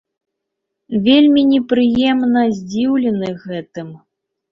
Вельмі непрыемна здзіўлены гэтым.